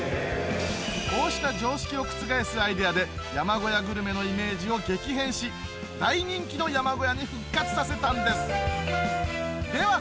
こうした常識を覆すアイデアで山小屋グルメのイメージを激変し大人気の山小屋に復活させたんですでは